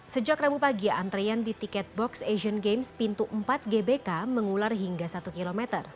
sejak rabu pagi antrean di tiket box asian games pintu empat gbk mengular hingga satu km